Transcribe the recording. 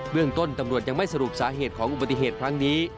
เรื่องต้นตำรวจยังไม่สรุปสาเหตุของอุบัติเหตุครั้งนี้